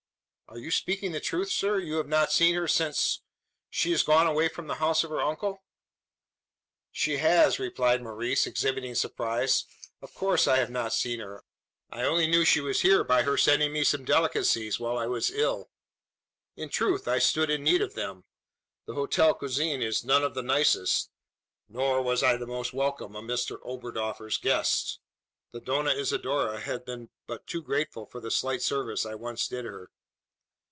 "Are you speaking the truth, sir? You have not seen her since she is gone away from the house of her uncle?" "She has," replied Maurice, exhibiting surprise. "Of course, I have not seen her. I only knew she was here by her sending me some delicacies while I was ill. In truth, I stood in need of them. The hotel cuisine is none of the nicest; nor was I the most welcome of Mr Oberdoffer's guests. The Dona Isidora has been but too grateful for the slight service I once did her."